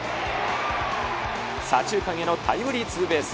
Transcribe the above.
左中間へのタイムリーツーベース。